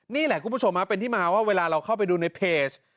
นี่แหละคุณผู้ชมเป็นที่มาว่าเวลาเราเข้าไปดูในเพจ